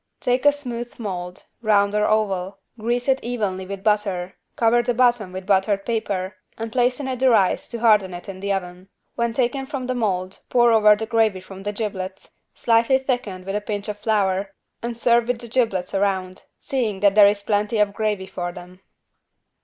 Take a smooth mold, round or oval, grease it evenly with butter, cover the bottom with buttered paper and place in it the rice to harden it in the oven. When taken from the mold pour over the gravy from the giblets, slightly thickened with a pinch of flour and serve with the giblets around, seeing that there is plenty of gravy for them.